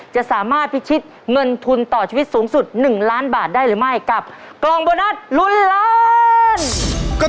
จะสามารถพิชิตเงินทุนต่อชีวิตสูงสุด๑ล้านบาทได้หรือไม่กับกล่องโบนัสลุ้นล้าน